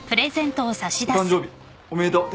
お誕生日おめでとう。